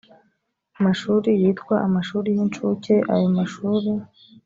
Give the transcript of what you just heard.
mashuri yitwa amashuri y incuke ayo mashuri